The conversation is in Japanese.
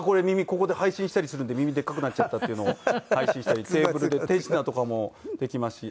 ここで配信したりするんで耳でっかくなっちゃったっていうのを配信したりテーブルで手品とかもできますし。